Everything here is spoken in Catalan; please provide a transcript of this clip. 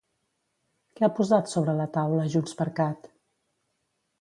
Què ha posat sobre la taula JxCat?